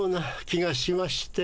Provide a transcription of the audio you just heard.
気がしまして。